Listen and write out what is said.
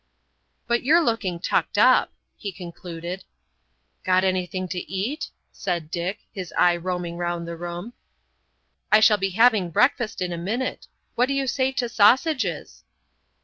"But you're looking tucked up," he concluded. "Got anything to eat?" said Dick, his eye roaming round the room. "I shall be having breakfast in a minute. What do you say to sausages?"